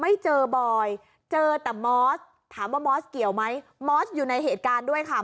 ไม่เจอบอยเจอแต่มอสถามว่ามอสเกี่ยวไหมมอสอยู่ในเหตุการณ์ด้วยค่ะ